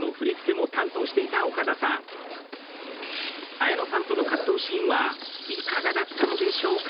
綾野さんとの格闘シーンはいかがだったのでしょうか？